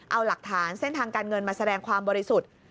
เอาหลักฐานเส้นทางการเงินมาแสดงความบริสุทธิ์